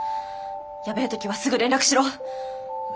やべえ時はすぐ連絡しろ。